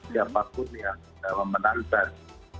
siapapun yang menantang